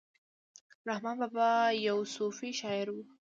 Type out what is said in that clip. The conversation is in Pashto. رحمان بابا یو صوفي شاعر ؤ